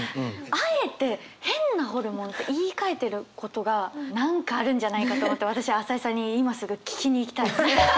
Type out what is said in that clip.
あえて「変なホルモン」って言いかえてることが何かあるんじゃないかと思って私は朝井さんに今すぐ聞きに行きたい。